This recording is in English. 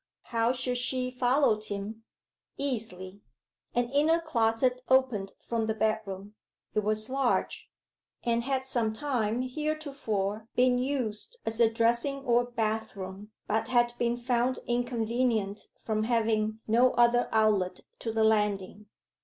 How should she follow him? Easily. An inner closet opened from the bedroom: it was large, and had some time heretofore been used as a dressing or bath room, but had been found inconvenient from having no other outlet to the landing.